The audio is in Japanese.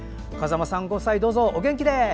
風間さんご夫妻どうぞお元気で。